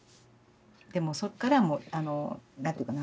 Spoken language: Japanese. でもうそっから何て言うかな。